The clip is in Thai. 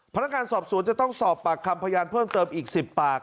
พนักงานสอบสวนจะต้องสอบปากคำพยานเพิ่มเติมอีก๑๐ปาก